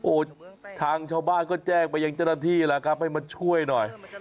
โอ้โหทางชาวบ้านก็แจ้งไปยังเจ้าหน้าที่แหละครับให้มาช่วยหน่อย